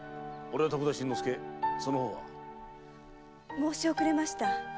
申し遅れました。